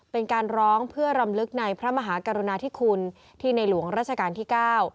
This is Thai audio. เป็นการร้องเพื่อรำลึกในพระมหากรุณาธิคุณที่ในหลวงราชการที่เก้า